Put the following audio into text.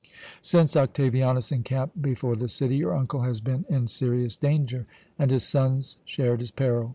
"Since Octavianus encamped before the city, your uncle has been in serious danger, and his sons shared his peril.